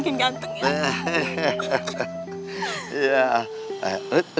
makin ganteng ya